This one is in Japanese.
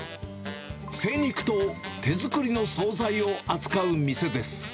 精肉と手作りの総菜を扱う店です。